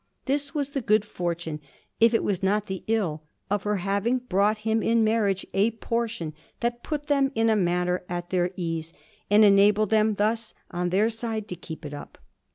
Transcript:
This was the good fortune, if it was not the ill, of her having brought him in marriage a portion that put them in a manner at their ease and enabled them thus, on their side, to keep it up.